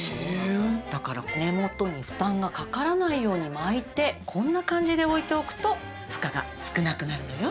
だから根元に負担がかからないように巻いてこんな感じで置いておくと負荷が少なくなるのよ。